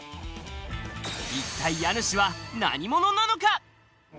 一体家主は何者なのか？